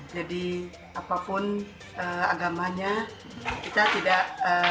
jadi apapun agamanya kita tidak